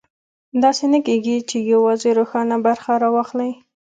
داسې نه کېږي چې یوازې روښانه برخه راواخلي.